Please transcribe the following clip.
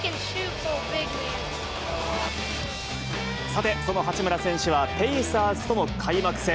さて、その八村選手は、ペイサーズとの開幕戦。